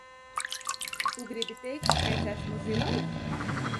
Tu gribi teikt, ka es esmu zilais?